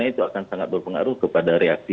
itu akan sangat berpengaruh kepada reaksi